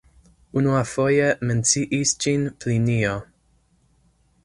Unuafoje menciis ĝin Plinio.